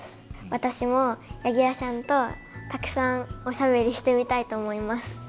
私も柳楽さんとたくさんおしゃべりしてみたいと思います。